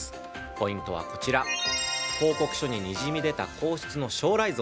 ポイントはこちら報告書ににじみ出た皇室の将来像。